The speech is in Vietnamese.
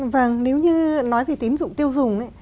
vâng nếu như nói về tín dụng tiêu dùng